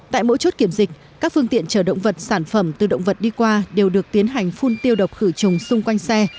tại mỗi chốt kiểm dịch các phương tiện chở động vật sản phẩm từ động vật đi qua đều được tiến hành phun tiêu độc khử trùng xung quanh xe